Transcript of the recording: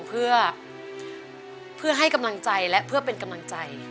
เพื่อให้กำลังใจและเพื่อเป็นกำลังใจ